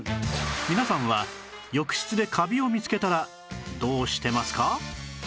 皆さんは浴室でカビを見つけたらどうしてますか？